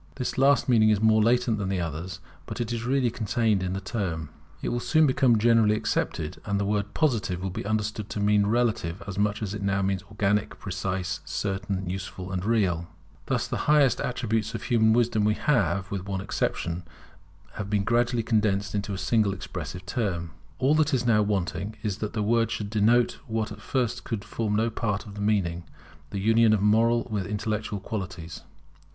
This last meaning is more latent than the others, but is really contained in the term. It will soon become generally accepted, and the word Positive will be understood to mean relative as much as it now means organic, precise, certain, useful, and real. Thus the highest attributes of human wisdom have, with one exception, been gradually condensed into a single expressive term. All that is now wanting is that the word should denote what at first could form no part of the meaning, the union of moral with intellectual qualities.